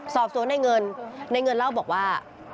สอบสวนในเงินในเงินเล่าบอกว่า